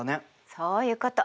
そういうこと！